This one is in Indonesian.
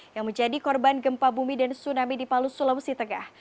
yang menjadi korban gempa bumi dan tsunami di palu sulawesi tengah